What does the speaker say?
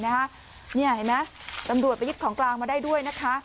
นี่เห็นไหมตำรวจไปยึดของกลางมาได้ด้วยนะคะ